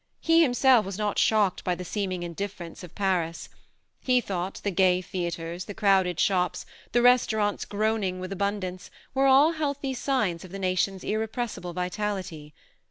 He himself was not shocked by the seeming in difference of Paris: he thought the gay theatres, the crowded shops, the restaurants groaning with abundance, were all healthy signs of the nation's irrepressible vitality.